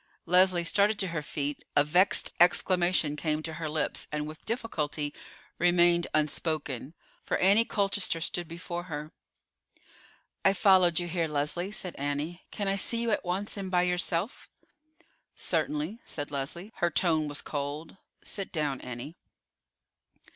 Leslie started to her feet, a vexed exclamation came to her lips, and with difficulty remained unspoken, for Annie Colchester stood before her. "I followed you here, Leslie," said Annie. "Can I see you at once, and by yourself?" "Certainly," said Leslie. Her tone was cold. "Sit down, Annie."